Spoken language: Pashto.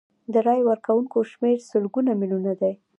د رایې ورکوونکو شمیر سلګونه میلیونه دی.